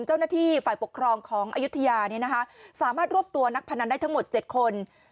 เจ้าหน้าที่ฝ่ายปกครองของอยุธยาเนี่ยนะคะสามารถรวบตัวนักพนันได้ทั้งหมดเจ็ดคน